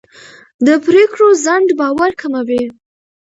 د پرېکړو ځنډ باور کموي